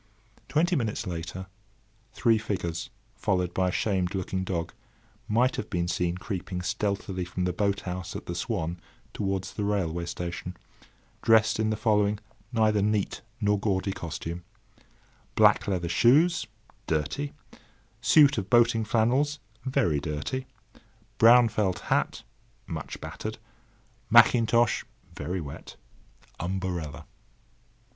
Twenty minutes later, three figures, followed by a shamed looking dog, might have been seen creeping stealthily from the boat house at the "Swan" towards the railway station, dressed in the following neither neat nor gaudy costume: Black leather shoes, dirty; suit of boating flannels, very dirty; brown felt hat, much battered; mackintosh, very wet; umbrella.